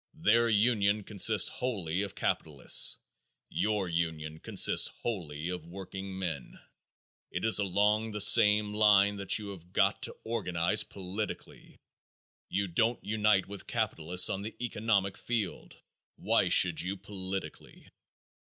Their union consists wholly of capitalists; your union consists wholly of workingmen. It is along the same line that you have got to organize politically. You don't unite with capitalists on the economic field; why should you politically?